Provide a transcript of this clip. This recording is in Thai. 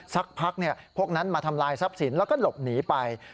สักพักพวกนั้นมาทำลายทรัพย์สินแล้วก็หลบหนีไป